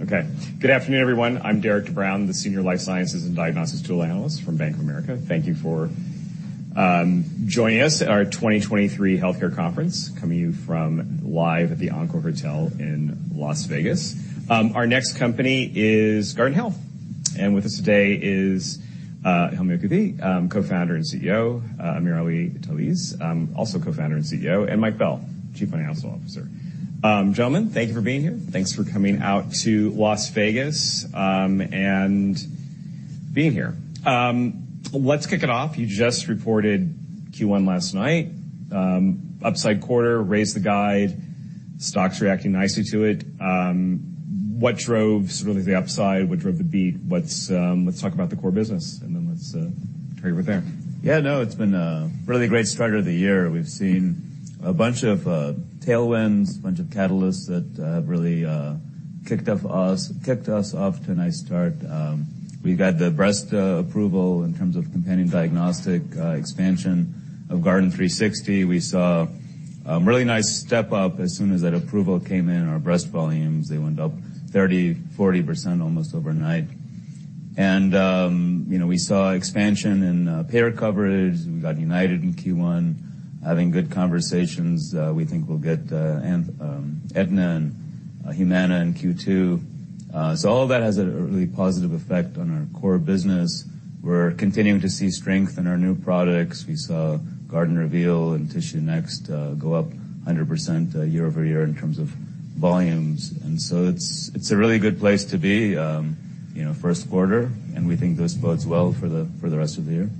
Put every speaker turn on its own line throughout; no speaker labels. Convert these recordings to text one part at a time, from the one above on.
Okay. Good afternoon, everyone. I'm Derik de Bruin, the Senior Life Sciences and Diagnostics Tool Analyst from Bank of America. Thank you for joining us at our 2023 healthcare conference, coming to you from live at the Encore Hotel in Las Vegas. Our next company is Guardant Health. With us today is Helmy Eltoukhy, Co-founder and CEO, Amirali Talasaz, also Co-founder and CEO, and Michael Bell, Chief Financial Officer. Gentlemen, thank you for being here. Thanks for coming out to Las Vegas and being here. Let's kick it off. You just reported Q1 last night. Upside quarter, raised the guide, stock's reacting nicely to it. What drove sort of the upside? What drove the beat? Let's talk about the core business, and then let's start over there.
Yeah, no, it's been a really great start of the year. We've seen a bunch of tailwinds, a bunch of catalysts that have really kicked us off to a nice start. We got the breast approval in terms of companion diagnostic expansion of Guardant360. We saw a really nice step up as soon as that approval came in. Our breast volumes, they went up 30%, 40% almost overnight. You know, we saw expansion in payer coverage. We got United in Q1. Having good conversations, we think we'll get Aetna and Humana in Q2. All of that has a really positive effect on our core business. We're continuing to see strength in our new products. We saw Guardant Reveal and TissueNext go up 100% year-over-year in terms of volumes. It's a really good place to be, you know, first quarter. We think this bodes well for the rest of the year.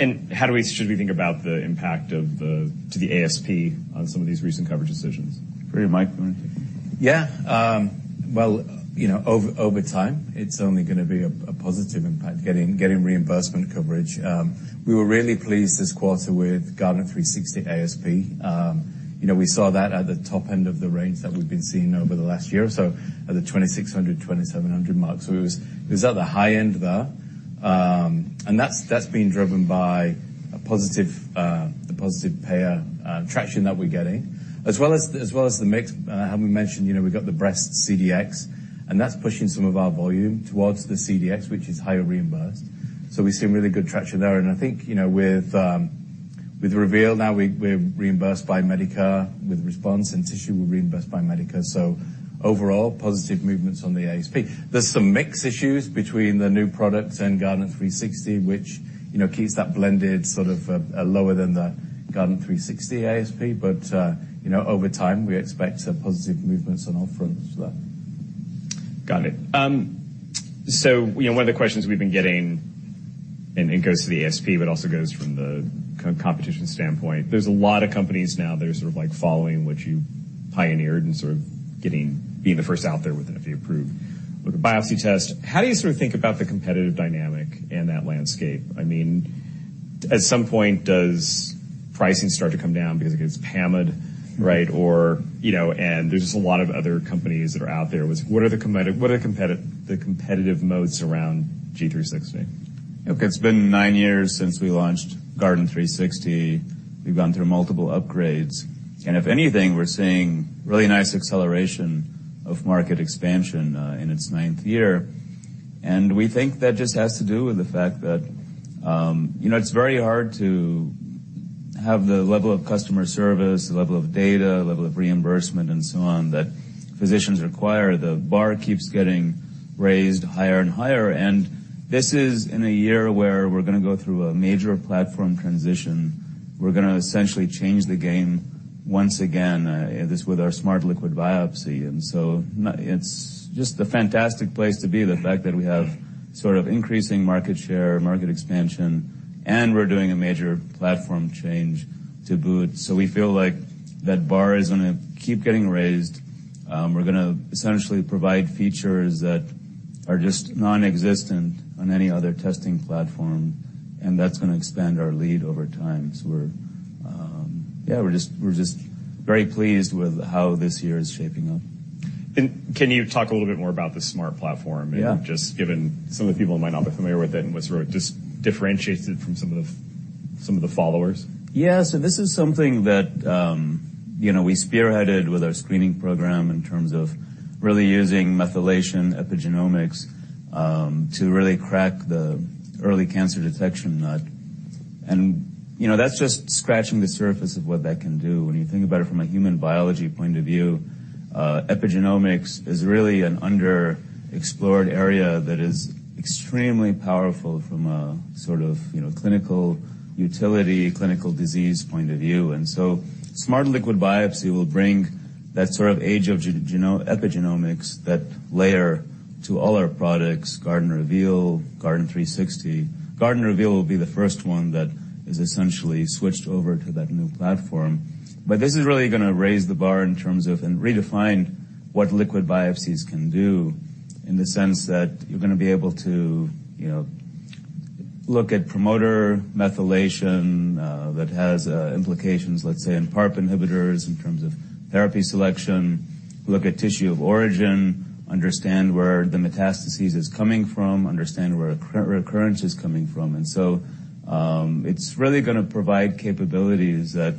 Should we think about the impact to the ASP on some of these recent coverage decisions?
Sure. Mike, do you wanna take it?
Yeah. Well, you know, over time, it's only gonna be a positive impact getting reimbursement coverage. We were really pleased this quarter with Guardant360 ASP. You know, we saw that at the top end of the range that we've been seeing over the last year or so at the $2,600-$2,700 marks. It was at the high end there. And that's been driven by a positive, the positive payer traction that we're getting. As well as the mix, having mentioned, you know, we've got the breast CDx, that's pushing some of our volume towards the CDx, which is higher reimbursed. We've seen really good traction there. I think, you know, with Reveal now, we're reimbursed by Medicare with Response and Tissue, we're reimbursed by Medicare. Overall, positive movements on the ASP. There's some mix issues between the new products and Guardant360, which, you know, keeps that blended sort of lower than the Guardant360 ASP. You know, over time, we expect positive movements on all fronts there.
Got it. You know, one of the questions we've been getting, and it goes to the ASP, but also goes from the co-competition standpoint. There's a lot of companies now that are sort of, like, following what you pioneered and being the first out there with an FDA-approved with a biopsy test. How do you sort of think about the competitive dynamic in that landscape? I mean, at some point, does pricing start to come down because it gets hammered, right? You know, and there's just a lot of other companies that are out there. What are the competitive moats around Guardant360?
Look, it's been nine years since we launched Guardant360. We've gone through multiple upgrades. If anything, we're seeing really nice acceleration of market expansion in its 9th year. We think that just has to do with the fact that, you know, it's very hard to have the level of customer service, the level of data, level of reimbursement, and so on that physicians require. The bar keeps getting raised higher and higher. This is in a year where we're gonna go through a major platform transition. We're gonna essentially change the game once again with our smart liquid biopsy. It's just a fantastic place to be. The fact that we have sort of increasing market share, market expansion, and we're doing a major platform change to boot. We feel like that bar is gonna keep getting raised. We're gonna essentially provide features that are just nonexistent on any other testing platform, and that's gonna expand our lead over time. We're, yeah, we're just very pleased with how this year is shaping up.
can you talk a little bit more about the smart platform?
Yeah.
Just given some of the people might not be familiar with it and what sort of just differentiates it from some of the followers.
Yeah. This is something that, you know, we spearheaded with our screening program in terms of really using methylation epigenomics to really crack the early cancer detection nut. You know, that's just scratching the surface of what that can do. When you think about it from a human biology point of view, epigenomics is really an underexplored area that is extremely powerful from a sort of, you know, clinical utility, clinical disease point of view. Smart liquid biopsy will bring that sort of age of epigenomics, that layer to all our products, Guardant Reveal, Guardant360. Guardant Reveal will be the first one that is essentially switched over to that new platform. This is really gonna raise the bar in terms of and redefine what liquid biopsies can do in the sense that you're gonna be able to, you know, look at promoter methylation, that has implications, let's say, in PARP inhibitors in terms of therapy selection. Look at tissue of origin, understand where the metastases is coming from, understand where re-recurrence is coming from. It's really gonna provide capabilities that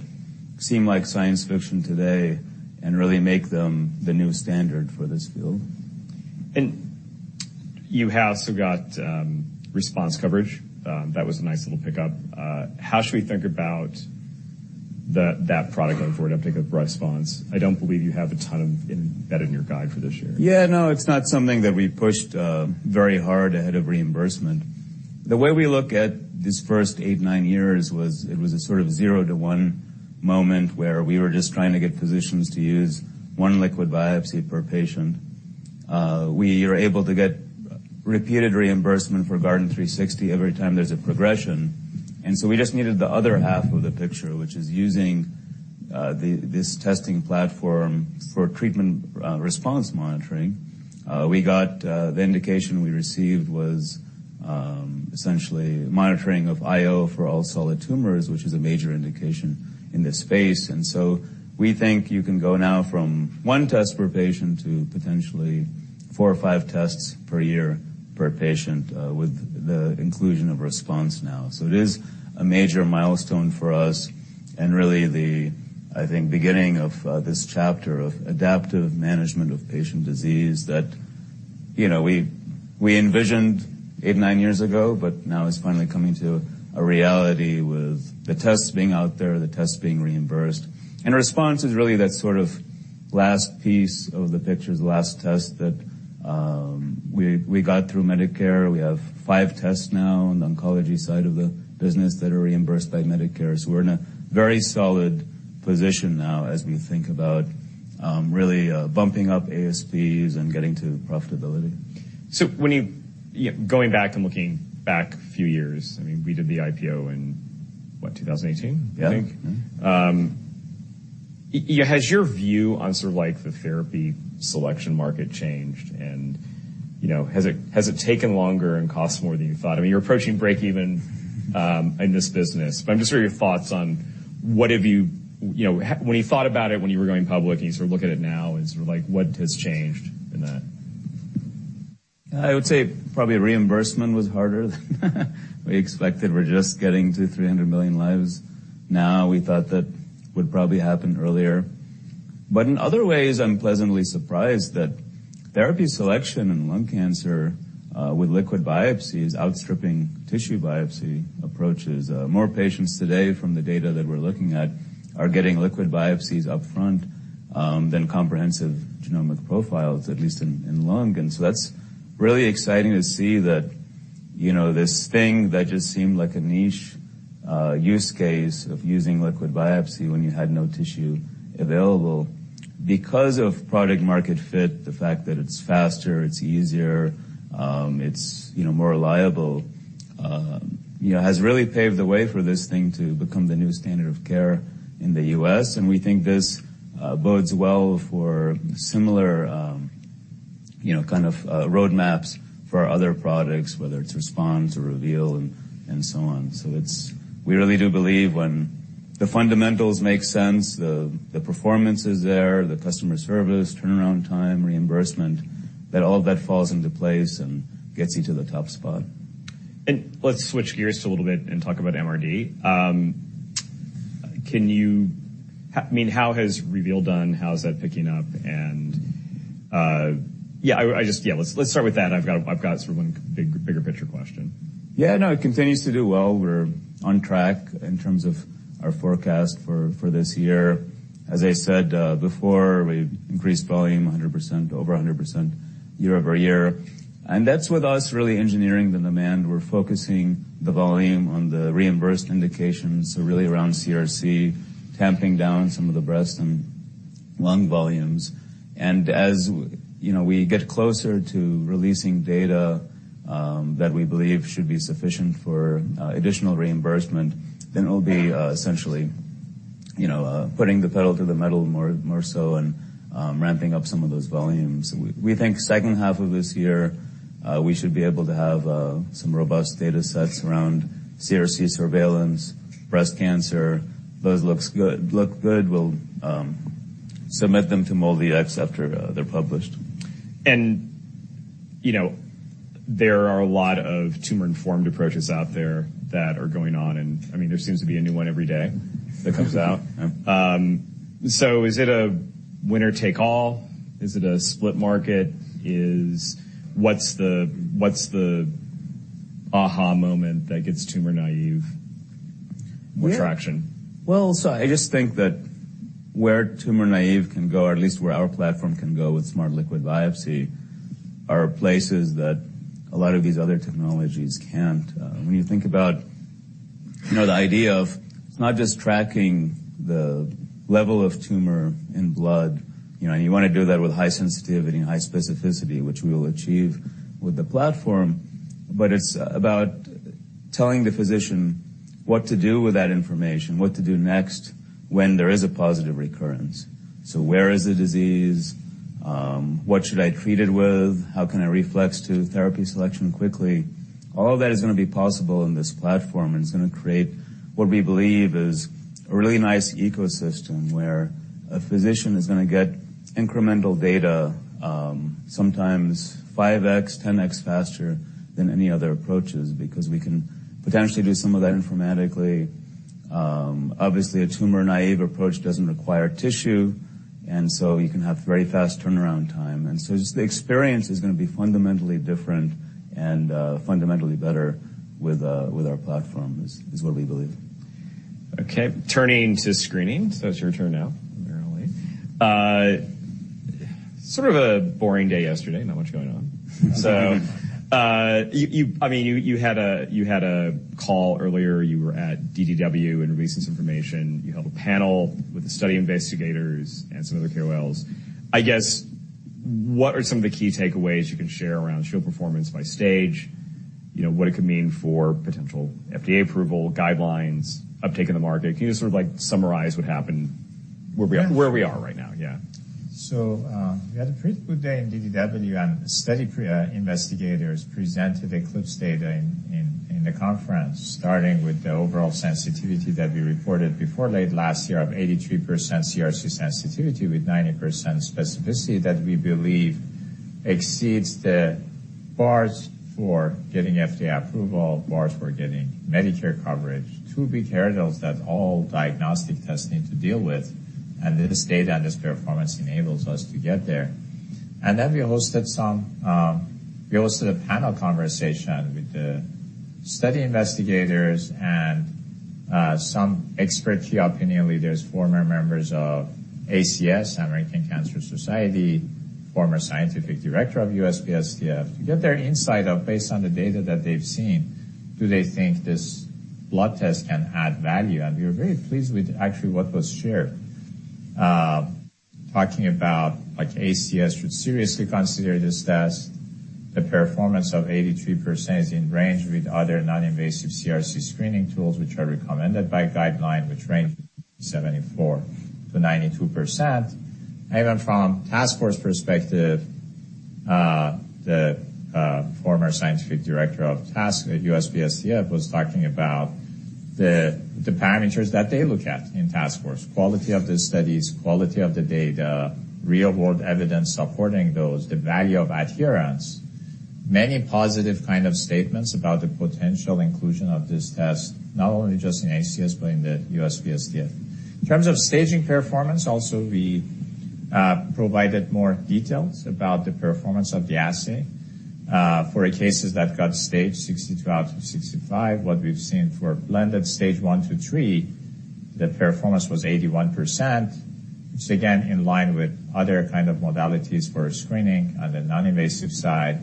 seem like science fiction today and really make them the new standard for this field.
You have still got response coverage. That was a nice little pickup. How should we think about that product going forward, uptake of response? I don't believe you have a ton of embedded in your guide for this year.
No, it's not something that we pushed very hard ahead of reimbursement. The way we look at these first 8, 9 years was it was a sort of 0 to 1 moment where we were just trying to get physicians to use 1 liquid biopsy per patient. We are able to get repeated reimbursement for Guardant360 every time there's a progression. We just needed the other half of the picture, which is using this testing platform for treatment response monitoring. We got the indication we received was essentially monitoring of IO for all solid tumors, which is a major indication in this space. We think you can go now from 1 test per patient to potentially 4 or 5 tests per year per patient with the inclusion of response now. It is a major milestone for us and really the, I think, beginning of this chapter of adaptive management of patient disease that, you know, we envisioned 8, 9 years ago, but now it's finally coming to a reality with the tests being out there, the tests being reimbursed. Response is really that sort of last piece of the picture, the last test that we got through Medicare. We have 5 tests now on the oncology side of the business that are reimbursed by Medicare. We're in a very solid position now as we think about really bumping up ASPs and getting to profitability.
Yeah, going back and looking back a few years, I mean, we did the IPO in, what, 2018, I think.
Yeah. Mm-hmm.
Has your view on sort of like the therapy selection market changed and, you know, has it taken longer and cost more than you thought? I mean, you're approaching breakeven in this business, but I'm just hearing your thoughts on what have you... You know, when you thought about it when you were going public and you sort of look at it now and sort of like what has changed in that?
I would say probably reimbursement was harder than we expected. We're just getting to 300 million lives now. We thought that would probably happen earlier. In other ways, I'm pleasantly surprised that therapy selection in lung cancer with liquid biopsies outstripping tissue biopsy approaches. More patients today from the data that we're looking at are getting liquid biopsies up front than comprehensive genomic profiles, at least in lung. That's really exciting to see that, you know, this thing that just seemed like a niche use case of using liquid biopsy when you had no tissue available. Because of product market fit, the fact that it's faster, it's easier, it's, you know, more reliable, you know, has really paved the way for this thing to become the new standard of care in the U.S. We think this bodes well for similar, you know, kind of, roadmaps for our other products, whether it's Respond or Reveal and so on. We really do believe when the fundamentals make sense, the performance is there, the customer service, turnaround time, reimbursement, that all of that falls into place and gets you to the top spot.
Let's switch gears a little bit and talk about MRD. can you I mean, how has Reveal done? How is that picking up? Yeah, I just... Yeah, let's start with that. I've got a, I've got sort of one bigger picture question.
Yeah, no, it continues to do well. We're on track in terms of our forecast for this year. As I said before, we increased volume 100%, over 100% year-over-year. That's with us really engineering the demand. We're focusing the volume on the reimbursed indications, so really around CRC, tamping down some of the breast and lung volumes. As you know, we get closer to releasing data that we believe should be sufficient for additional reimbursement, then it'll be essentially, you know, putting the pedal to the metal more so and ramping up some of those volumes. We think second half of this year, we should be able to have some robust data sets around CRC surveillance, breast cancer. Those look good. We'll submit them to MolDX after they're published.
You know, there are a lot of tumor-informed approaches out there that are going on and, I mean, there seems to be a new one every day that comes out.
Yeah.
Is it a winner-take-all? Is it a split market? What's the aha moment that gets tumor-naive more traction?
I just think that where tumor-naive can go, or at least where our platform can go with smart liquid biopsy, are places that a lot of these other technologies can't. When you think about, you know, the idea of it's not just tracking the level of tumor in blood, you know, and you wanna do that with high sensitivity and high specificity, which we will achieve with the platform, but it's about telling the physician what to do with that information, what to do next when there is a positive recurrence. Where is the disease? What should I treat it with? How can I reflex to therapy selection quickly? All of that is gonna be possible in this platform. It's gonna create what we believe is a really nice ecosystem where a physician is gonna get incremental data, sometimes 5x, 10x faster than any other approaches because we can potentially do some of that informatically.
Obviously, a tumor-naive approach doesn't require tissue, and so you can have very fast turnaround time. Just the experience is gonna be fundamentally different and fundamentally better with our platform, is what we believe.
Okay. Turning to screening. It's your turn now, apparently. Sort of a boring day yesterday, not much going on. I mean, you had a call earlier. You were at DDW in recent information. You held a panel with the study investigators and some other KOLs. I guess, what are some of the key takeaways you can share around Shield performance by stage? You know, what it could mean for potential FDA approval, guidelines, uptake in the market? Can you just sort of like summarize what happened, where we are right now? Yeah.
We had a pretty good day in DDW, and study investigators presented ECLIPSE data in the conference, starting with the overall sensitivity that we reported before late last year of 83% CRC sensitivity with 90% specificity that we believe exceeds the bars for getting FDA approval, bars for getting Medicare coverage. Two big hurdles that all diagnostic tests need to deal with. This data and this performance enables us to get there. We hosted a panel conversation with the study investigators and some expert key opinion leaders, former members of ACS, American Cancer Society, former scientific director of USPSTF, to get their insight of based on the data that they've seen, do they think this blood test can add value? We were very pleased with actually what was shared. Talking about like ACS should seriously consider this test. The performance of 83% is in range with other non-invasive CRC screening tools, which are recommended by guideline which range 74%-92%. Even from task force perspective, the former scientific director of USPSTF was talking about the parameters that they look at in task force, quality of the studies, quality of the data, real world evidence supporting those, the value of adherence. Many positive kind of statements about the potential inclusion of this test, not only just in ACS but in the USPSTF. In terms of staging performance, also we provided more details about the performance of the assay for cases that got stage 62 out of 65. What we've seen for blended stage 1 to 3, the performance was 81%. Which again, in line with other kind of modalities for screening on the non-invasive side.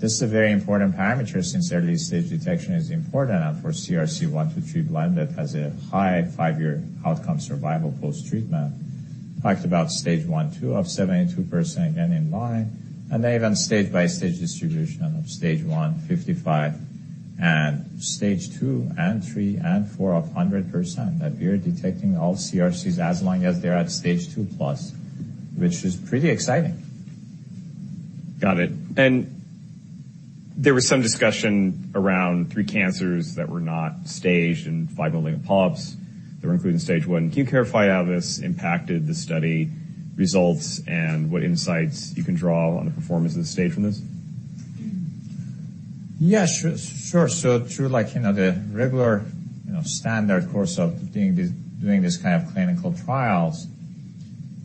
This is a very important parameter since early stage detection is important. For CRC 1-3 blended has a high 5-year outcome survival post-treatment. Talked about stage 1 too, of 72%, again in line, and even stage by stage distribution of stage 1, 55%, and stage 2, 3, and 4 of 100%, that we are detecting all CRCs as long as they're at stage 2+, which is pretty exciting.
Got it. There was some discussion around three cancers that were not staged and five malignant polyps that were included in stage one. Can you clarify how this impacted the study results and what insights you can draw on the performance of the stage from this?
Yeah, sure. Through like, you know, the regular, you know, standard course of doing this kind of clinical trials,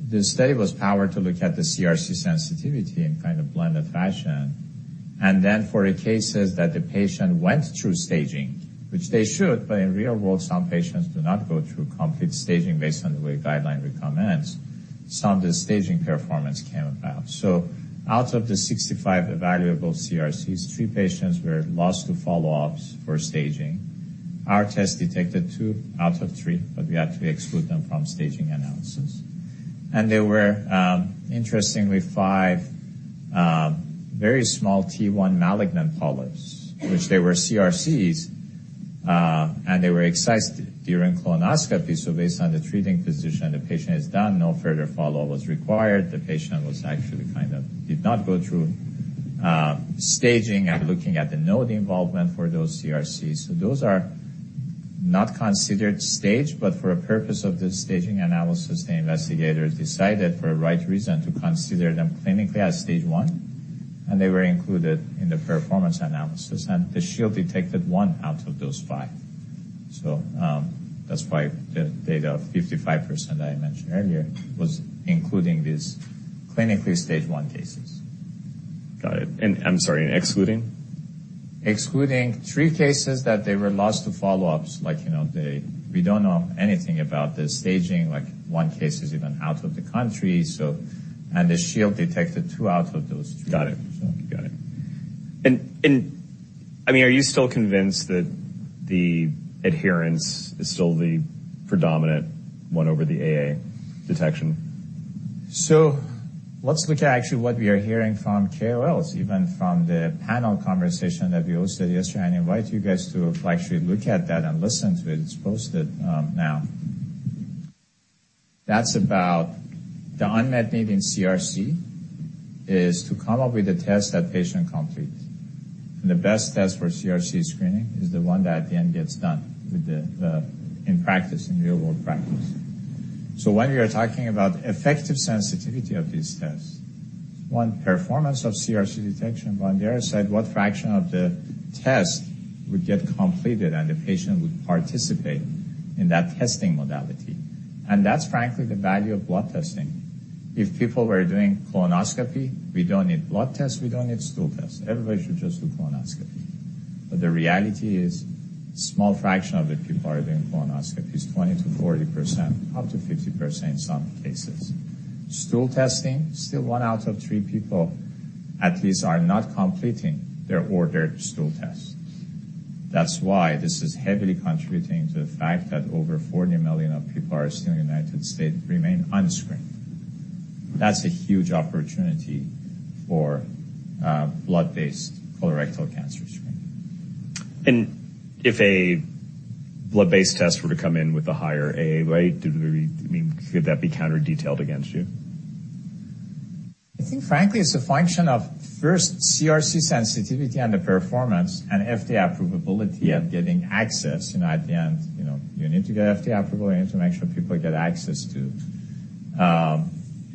the study was powered to look at the CRC sensitivity in kind of blended fashion. For the cases that the patient went through staging, which they should, but in real world, some patients do not go through complete staging based on the way guideline recommends. Some of the staging performance came about. Out of the 65 evaluable CRCs, three patients were lost to follow-ups for staging. Our test detected two out of three, we had to exclude them from staging analysis. There were, interestingly, five very small T1 malignant polyps, which they were CRCs, and they were excised during colonoscopy. Based on the treating physician, the patient is done, no further follow-up was required. The patient was actually did not go through staging and looking at the node involvement for those CRCs. Those are not considered staged, but for a purpose of the staging analysis, the investigators decided for a right reason to consider them clinically as stage one, and they were included in the performance analysis. The Shield detected one out of those five. That's why the data of 55% I mentioned earlier was including these clinically stage one cases.
Got it. I'm sorry, excluding?
Excluding three cases that were lost to follow-ups, like, you know, we don't know anything about the staging, like one case is even out of the country. The Shield detected two out of those three.
Got it.
So.
Got it. I mean, are you still convinced that the adherence is still the predominant one over the AA detection?
Let's look at actually what we are hearing from KOLs, even from the panel conversation that we hosted yesterday. I invite you guys to actually look at that and listen to it. It's posted now. That's about the unmet need in CRC is to come up with a test that patient completes. The best test for CRC screening is the one that at the end gets done with in practice, in real world practice. When we are talking about effective sensitivity of these tests, one, performance of CRC detection. On the other side, what fraction of the test would get completed and the patient would participate in that testing modality? That's frankly the value of blood testing. If people were doing colonoscopy, we don't need blood tests, we don't need stool tests. Everybody should just do colonoscopy. The reality is, small fraction of the people are doing colonoscopy is 20%-40%, up to 50% in some cases. Stool testing, still 1 out of 3 people at least are not completing their ordered stool tests. This is heavily contributing to the fact that over 40 million of people are still in the UnitedHealthcare States remain unscreened. That's a huge opportunity for blood-based colorectal cancer screening.
If a blood-based test were to come in with a higher AA rate, I mean, could that be counter-detailed against you?
I think frankly, it's a function of first CRC sensitivity and the performance and FDA approvability of getting access. You know, at the end, you know, you need to get FDA approval, you need to make sure people get access to.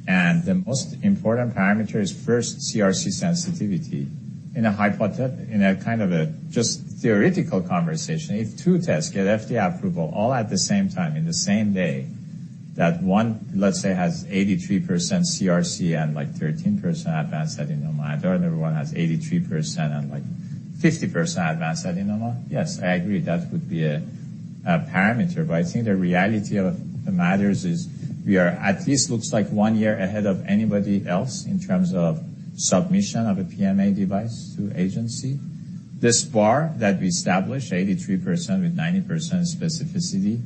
The most important parameter is first CRC sensitivity. In a kind of a just theoretical conversation, if two tests get FDA approval all at the same time in the same day, that one, let's say has 83% CRC and like 13% advanced adenoma, and the other one has 83% and like 50% advanced adenoma, yes, I agree that would be a parameter. I think the reality of the matters is we are at least looks like one year ahead of anybody else in terms of submission of a PMA device to agency. This bar that we established, 83% with 90% specificity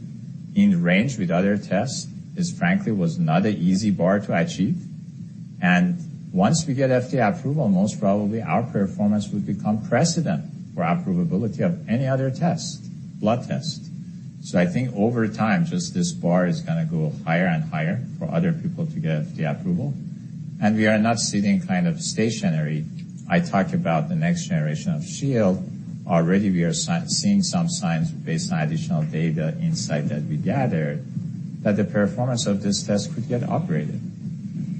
in range with other tests is frankly was not an easy bar to achieve. Once we get FDA approval, most probably our performance would become precedent for approvability of any other test, blood test. I think over time, just this bar is gonna go higher and higher for other people to get FDA approval. We are not sitting kind of stationary. I talked about the next generation of Shield. Already, we are seeing some signs based on additional data insight that we gathered, that the performance of this test could get upgraded,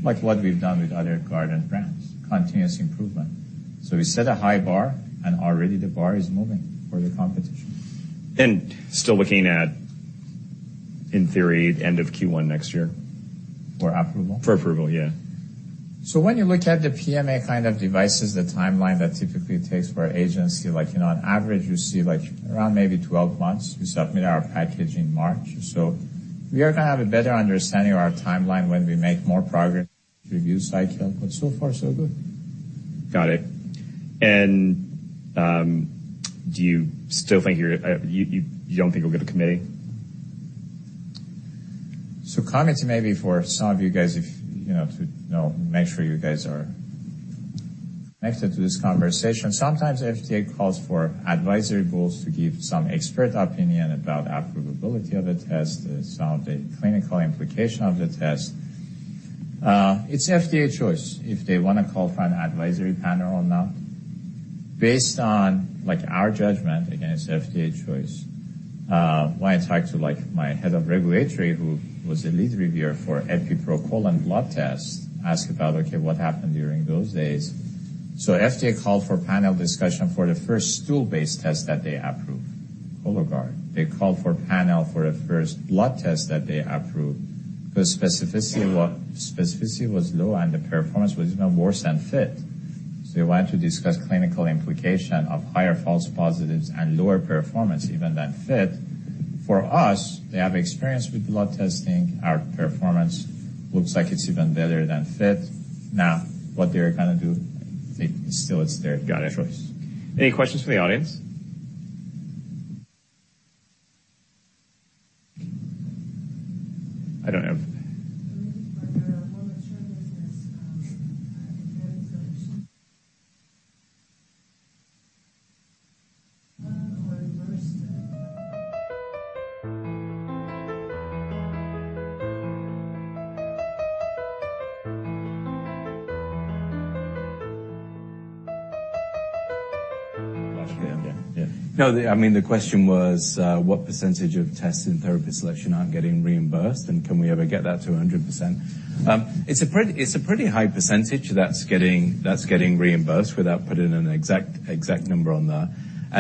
like what we've done with other Guardant brands, continuous improvement. We set a high bar and already the bar is moving for the competition.
Still looking at, in theory, end of Q1 next year.
For approval?
For approval, yeah.
When you look at the PMA kind of devices, the timeline that typically it takes for agency, like, you know, on average, you see like around maybe 12 months, we submit our package in March. We are gonna have a better understanding of our timeline when we make more progress review cycle, but so far so good.
Got it. Do you still think you don't think it'll get a committee?
Comments maybe for some of you guys if, you know, to, you know, make sure you guys are connected to this conversation. Sometimes FDA calls for advisory boards to give some expert opinion about approvability of a test, some of the clinical implication of the test. It's FDA choice if they wanna call for an advisory panel or not. Based on like our judgment, again, it's FDA choice, when I talk to like my head of regulatory, who was a lead reviewer for Epi procolon blood test, ask about, okay, what happened during those days. FDA called for panel discussion for the first stool-based test that they approved, Cologuard. They called for panel for a first blood test that they approved, 'cause specificity was low, and the performance was even worse than FIT. They want to discuss clinical implication of higher false positives and lower performance even than FIT. For us, they have experience with blood testing. Our performance looks like it's even better than FIT. What they're gonna do, it still, it's their choice.
Got it. Any questions from the audience?
Yeah.
Yeah.
No, I mean, the question was, what percentage of tests in therapy selection aren't getting reimbursed, and can we ever get that to 100%? It's a pretty high percentage that's getting reimbursed without putting an exact number on that.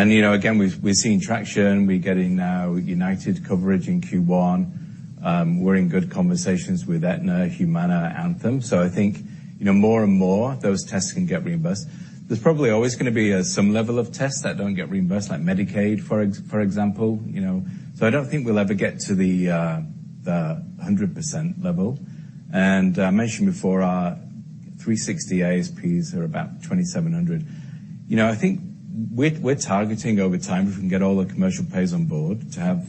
You know, again, we've seen traction. We're getting now UnitedHealthcare coverage in Q1. We're in good conversations with Aetna, Humana, Anthem. I think, you know, more and more, those tests can get reimbursed. There's probably always gonna be some level of tests that don't get reimbursed, like Medicaid, for example, you know. I don't think we'll ever get to the 100% level. I mentioned before our 360 ASPs are about $2,700. You know, I think we're targeting over time, if we can get all the commercial pays on board, to have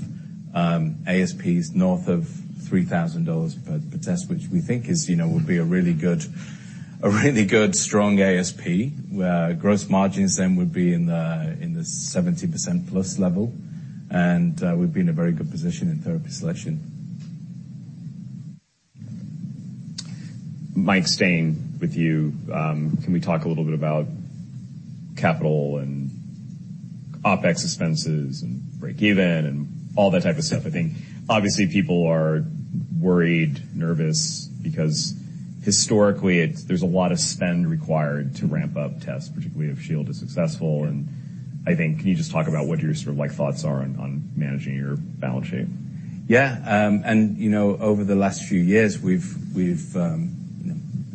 ASPs north of $3,000 per test, which we think is, you know, would be a really good strong ASP, where gross margins then would be in the 70%+ level, and we'd be in a very good position in therapy selection.
Mike, staying with you, can we talk a little bit about capital and OpEx expenses and break even, and all that type of stuff? I think obviously people are worried, nervous, because historically there's a lot of spend required to ramp up tests, particularly if Shield is successful. I think, can you just talk about what your sort of like thoughts are on managing your balance sheet?
Yeah. You know, over the last few years, we've, you know,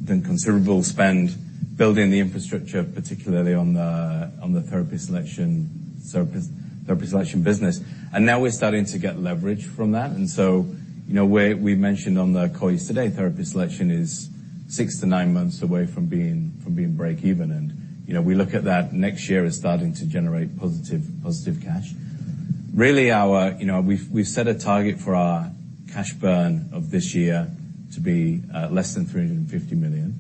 done considerable spend building the infrastructure, particularly on the therapy selection business. Now we're starting to get leverage from that. You know, we've mentioned on the call yesterday, therapy selection is 6-9 months away from being break even. You know, we look at that next year as starting to generate positive cash. You know, we've set a target for our cash burn of this year to be less than $350 million.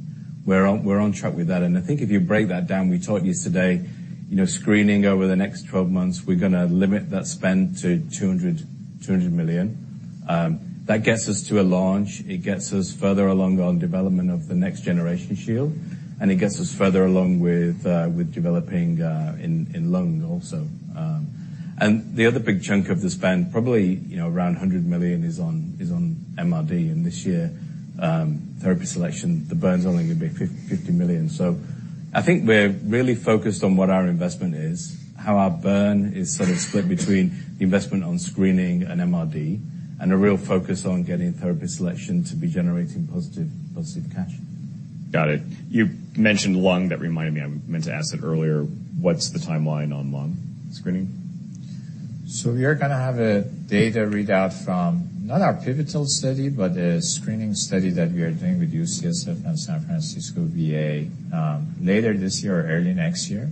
We're on track with that. I think if you break that down, we talked yesterday, you know, screening over the next 12 months, we're gonna limit that spend to $200 million. That gets us to a launch. It gets us further along on development of the next generation Shield, and it gets us further along with developing in lung also. The other big chunk of the spend, probably, you know, around $100 million is on MRD. This year, therapy selection, the burn's only gonna be $50 million. I think we're really focused on what our investment is, how our burn is sort of split between the investment on screening and MRD, and a real focus on getting therapy selection to be generating positive cash.
Got it. You mentioned lung. That reminded me, I meant to ask that earlier, what's the timeline on lung screening?
We are gonna have a data readout from, not our pivotal study, but a screening study that we are doing with UCSF and San Francisco VA, later this year or early next year.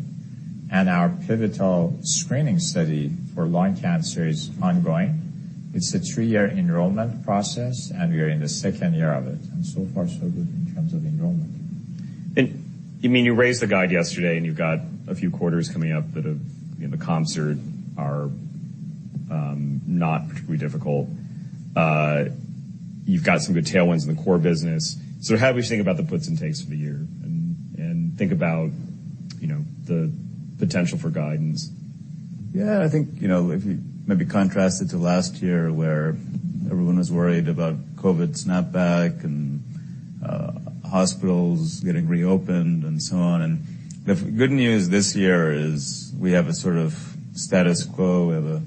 Our pivotal screening study for lung cancer is ongoing. It's a three-year enrollment process, and we are in the second year of it, and so far so good in terms of enrollment.
You mean, you raised the guide yesterday, and you've got a few quarters coming up that have, you know, the comps are not particularly difficult. You've got some good tailwinds in the core business. How do we think about the puts and takes for the year and think about, you know, the potential for guidance?
Yeah. I think, you know, if you maybe contrast it to last year where everyone was worried about COVID snapback and hospitals getting reopened and so on, the good news this year is we have a sort of status quo. We have a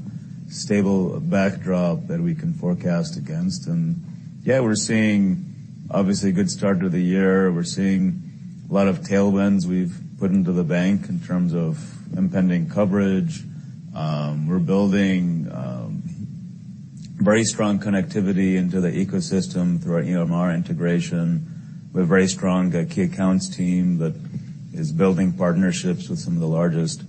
stable backdrop that we can forecast against. Yeah, we're seeing obviously a good start to the year. We're seeing a lot of tailwinds we've put into the bank in terms of impending coverage. We're building very strong connectivity into the ecosystem through our EMR integration. We have a very strong key accounts team that is building partnerships with some of the largest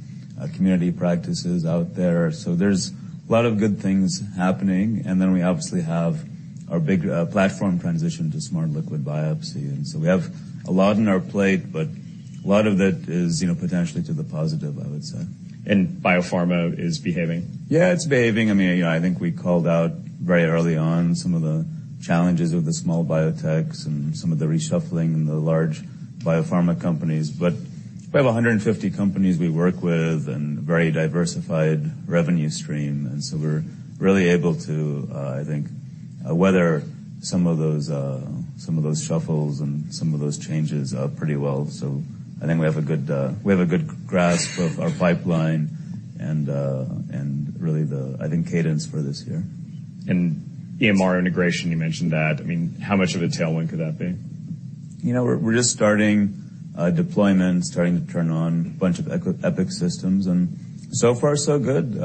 community practices out there. There's a lot of good things happening. We obviously have our big platform transition to smart liquid biopsy. We have a lot on our plate, but a lot of it is, you know, potentially to the positive, I would say.
Biopharma is behaving?
Yeah, it's behaving. I mean, you know, I think we called out very early on some of the challenges with the small biotechs and some of the reshuffling in the large biopharma companies. We have 150 companies we work with and very diversified revenue stream. We're really able to, I think, weather some of those, some of those shuffles and some of those changes, pretty well. I think we have a good, we have a good grasp of our pipeline and really the, I think, cadence for this year.
EMR integration, you mentioned that. I mean, how much of a tailwind could that be?
You know, we're just starting deployment, starting to turn on a bunch of Epic systems. So far so good.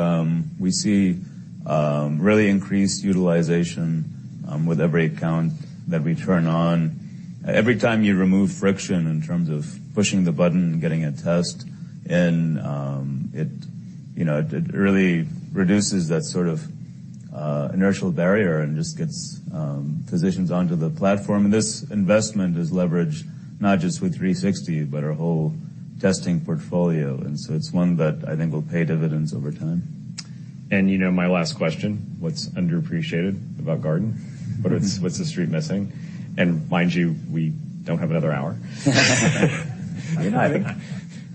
We see really increased utilization with every account that we turn on. Every time you remove friction in terms of pushing the button and getting a test, it, you know, it really reduces that sort of inertial barrier and just gets physicians onto the platform. This investment is leveraged not just with Guardant360 but our whole testing portfolio, so it's one that I think will pay dividends over time.
You know, my last question, what's underappreciated about Guardant? What's the Street missing? Mind you, we don't have another hour.
You know, I think,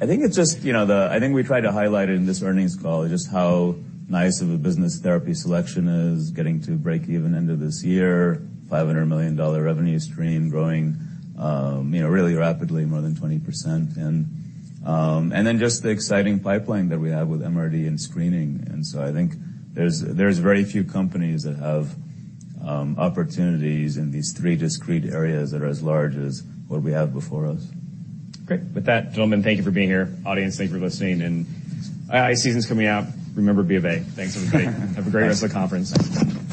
I think it's just, you know, I think we tried to highlight it in this earnings call, just how nice of a business therapy selection is, getting to break even end of this year, $500 million revenue stream growing, you know, really rapidly more than 20%. Then just the exciting pipeline that we have with MRD and screening. So I think there's very few companies that have opportunities in these three discrete areas that are as large as what we have before us.
Great. With that, gentlemen, thank you for being here. Audience, thank you for listening. AI season's coming out. Remember B of A.
Thanks, everybody.
Have a great rest of the conference.